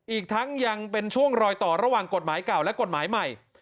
อีกทั้งยังเป็นช่วงรอยต่อระหว่างกฎหมายเก่าและกฎหมายใหม่